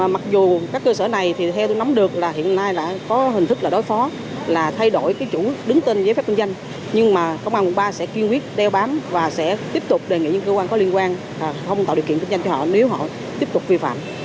mặc dù các cơ sở này thì theo tôi nắm được là hiện nay đã có hình thức là đối phó là thay đổi cái chủ đứng tên giấy phép kinh doanh nhưng mà công an quận ba sẽ kiên quyết đeo bám và sẽ tiếp tục đề nghị những cơ quan có liên quan không tạo điều kiện kinh doanh cho họ nếu họ tiếp tục vi phạm